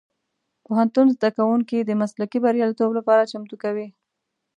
پوهنتون زدهکوونکي د مسلکي بریالیتوب لپاره چمتو کوي.